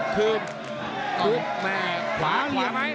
พื้นกุบแม่ขวาขวามั้ย